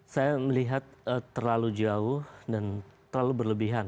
saya melihat terlalu jauh dan terlalu berlebihan